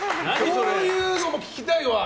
こういうのも聞きたいわ。